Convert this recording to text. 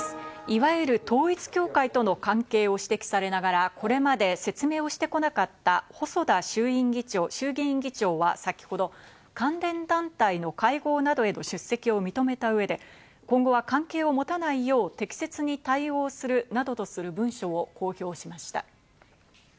いわゆる統一教会との関係を指摘されながら、これまで説明をしてこなかった細田衆議院議長は先ほど関連団体の会合などへの出席を認めた上で、今後は関係を持たないよう適切に対応するなどとする文書を公表しました。